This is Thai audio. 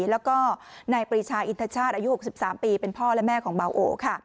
แล้วก็นายปรีชาอินทชาติอายุ๖๓ปีเป็นพ่อและแม่ของเบาโอค่ะ